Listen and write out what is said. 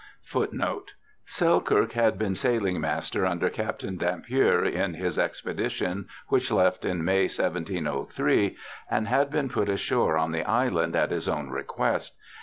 He had with ^ Selkirk had been sailing master under Captain Dampier in his expedition which left in May, 1703, and had been put ashore on the island at his own request.